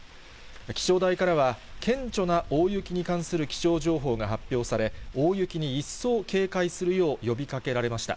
気象台からは、顕著な大雪に関する気象情報が発表され、大雪に一層警戒するよう呼びかけられました。